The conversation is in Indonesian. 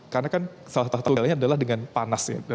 karena kan salah satu gejala adalah dengan panas